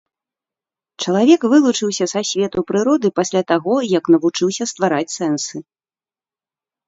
Чалавек вылучыўся са свету прыроды пасля таго, як навучыўся ствараць сэнсы.